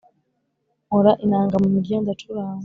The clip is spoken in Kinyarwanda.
nkora inanga mu mirya ndacuranga